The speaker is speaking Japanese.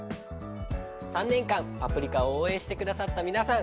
３年間「パプリカ」を応援してくだった皆さん